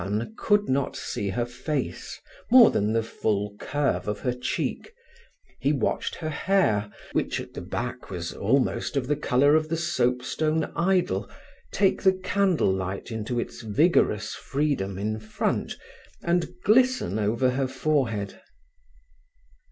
Byrne could not see her face, more than the full curve of her cheek. He watched her hair, which at the back was almost of the colour of the soapstone idol, take the candlelight into its vigorous freedom in front and glisten over her forehead.